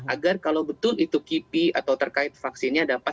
agar kalau betul itu kipi atau terkait vaksinnya dapat